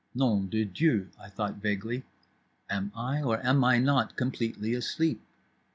Nom de Dieu, I thought vaguely. Am I or am I not completely asleep?